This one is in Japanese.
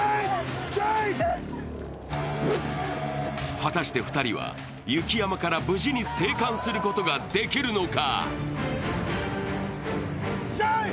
果たして２人は雪山から無事に生還することができるのか。